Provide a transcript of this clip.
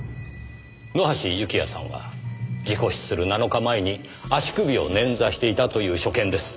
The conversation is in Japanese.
野橋幸也さんは事故死する７日前に足首を捻挫していたという所見です。